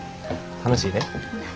楽しいで。